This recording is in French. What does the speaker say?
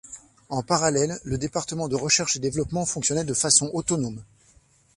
En parallèle, le département de recherche et développement fonctionnait de façon autonome.